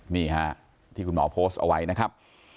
นี่ฮะที่คุณหมอโพสต์เอาไว้นะครับ